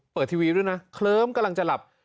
ทีวีด้วยนะเคลิ้มกำลังจะหลับ